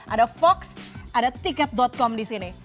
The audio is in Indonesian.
ada fox ada tiket com di sini